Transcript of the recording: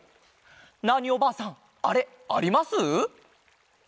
ナーニおばあさんあれあります？